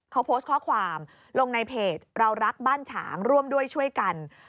เขาโพสต์ข้อความลงในเพจเรารักบ้านฉางร่วมด้วยช่วยกัน